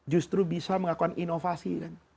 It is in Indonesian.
justru bisa melakukan inovasi